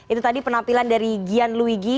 itu tadi penampilan dari gian luigi